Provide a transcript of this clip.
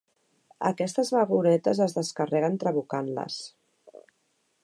Aquestes vagonetes es descarreguen trabucant-les.